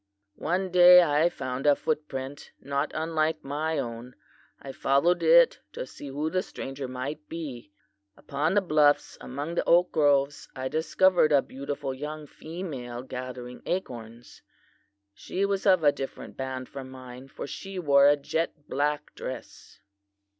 "'One day I found a footprint not unlike my own. I followed it to see who the stranger might be. Upon the bluffs among the oak groves I discovered a beautiful young female gathering acorns. She was of a different band from mine, for she wore a jet black dress.